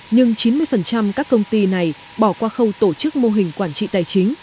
nhưng chín mươi các công ty này bỏ qua khâu tổ chức mô hình quản trị tài chính